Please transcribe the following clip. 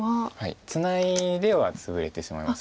ツナいではツブれてしまいます。